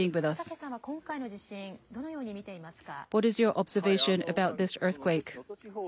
佐竹さんは今回の地震、どのように見ていますか。